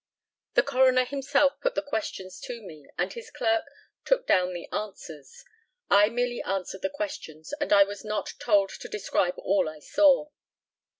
The coroner himself put the questions to me, and his clerk took down the answers. I merely answered the questions, and I was not told to describe all I saw.